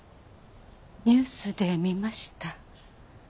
ニュースで見ました。